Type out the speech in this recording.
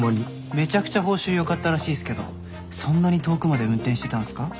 めちゃくちゃ報酬良かったらしいっすけどそんなに遠くまで運転してたんすか？